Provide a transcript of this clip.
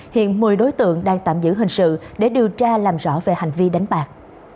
hiện một mươi đối tượng đang tạm giữ hình sự để điều tra làm rõ về hành vi đánh bạc